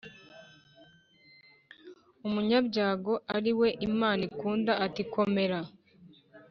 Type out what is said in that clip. umunyabyago ari we Imana ikunda ati: "Komera!"